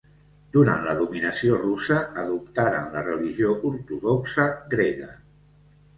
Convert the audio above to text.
Durant la dominació russa adoptaren la religió ortodoxa grega.